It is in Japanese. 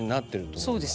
そうですね。